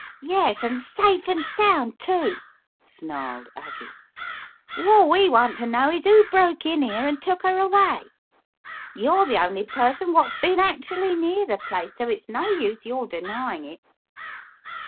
"Yes, and safe and sound, too!" snarled Aggie. "What we want to know is who broke in 'ere and took 'er away? You're the only person wot's bin actually near the place, so it's no use your denying it."